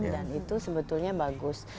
dan itu sebetulnya bagus